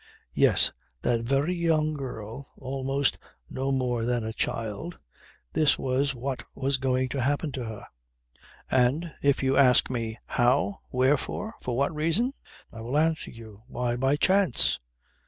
Yes, that very young girl, almost no more than a child this was what was going to happen to her. And if you ask me, how, wherefore, for what reason? I will answer you: Why, by chance!